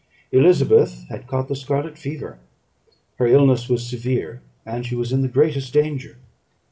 Elizabeth had caught the scarlet fever; her illness was severe, and she was in the greatest danger.